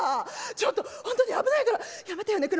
ちょっと本当に危ないからやめてよね